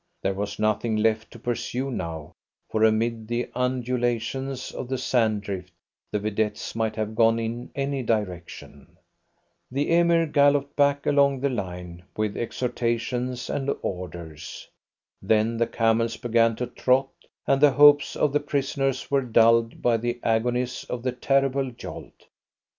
There was nothing left to pursue now, for amid the undulations of the sand drift the vedettes might have gone in any direction. The Emir galloped back along the line, with exhortations and orders. Then the camels began to trot, and the hopes of the prisoners were dulled by the agonies of the terrible jolt.